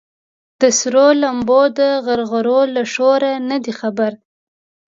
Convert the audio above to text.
د سرو لمبو د غرغرو له شوره نه دي خبر